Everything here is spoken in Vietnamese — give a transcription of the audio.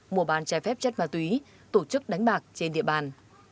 mùa bán trái phép chất ma túy tổ chức đánh bạc trên địa bàn